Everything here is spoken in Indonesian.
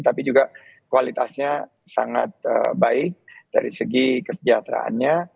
tapi juga kualitasnya sangat baik dari segi kesejahteraannya